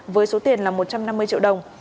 với số tiền là một triệu đồng